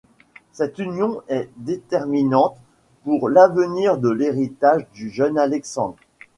Cette union est déterminante pour l'avenir de l'héritage du jeune Alexandre.